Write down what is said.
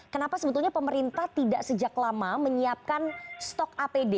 kenapa sebetulnya pemerintah tidak sejak lama menyiapkan stok apd